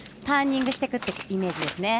ターニングしていくイメージです。